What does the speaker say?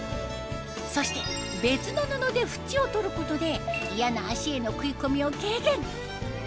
そして別の布で縁を取ることで嫌な足への食い込みを軽減